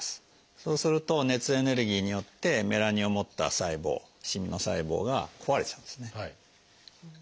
そうすると熱エネルギーによってメラニンを持った細胞しみの細胞が壊れちゃうんですね。